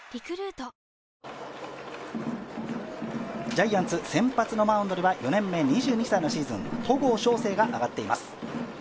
ジャイアンツ、先発のマウンドには４年目、２２歳のシーズン戸郷翔征が上がっています。